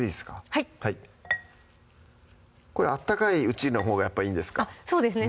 はいこれ温かいうちのほうがやっぱいいんですかそうですね